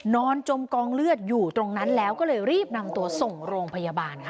จมกองเลือดอยู่ตรงนั้นแล้วก็เลยรีบนำตัวส่งโรงพยาบาลค่ะ